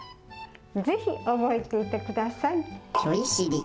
ぜひ、覚えていてください。